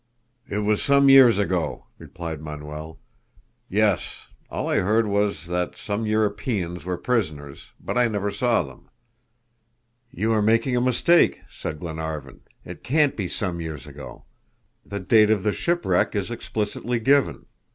"It was some years ago," replied Manuel. "Yes; all I heard was that some Europeans were prisoners, but I never saw them." "You are making a mistake," said Glenarvan. "It can't be some years ago; the date of the shipwreck is explicitly given.